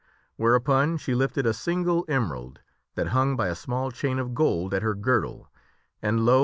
Whereupon she lifted a single emerald that hung by a small chain of gold at her girdle and, lo!